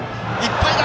いっぱいだ！